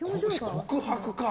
告白か。